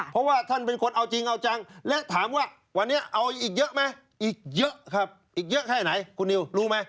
เพราะว่าท่านเป็นคนเอาจริงเอาจังและถามว่าวันนี้เอาอีกเยอะไหมอีกเยอะครับอีกเยอะแค่ไหนคุณนิวรู้ไหม